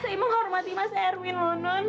saya menghormati mas erwin lunun